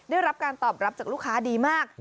ได้รับการตอบรับจากลูกค้าดีมาก